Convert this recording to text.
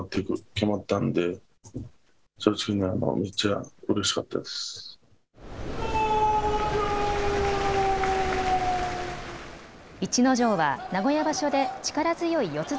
逸ノ城は名古屋場所で力強い四つ